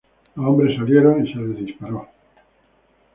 Los hombres salieron y se les disparó.